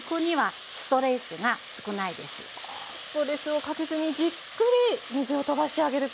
あストレスをかけずにじっくり水をとばしてあげると。